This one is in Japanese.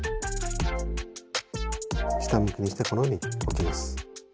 下向きにしてこのように置きます。